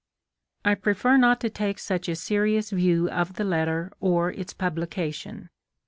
I prefer not to take such a serious view of the letter or its publication.